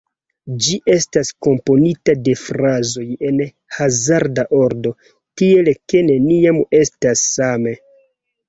Ĝi estas komponita de frazoj en hazarda ordo, tiel ke neniam estas same.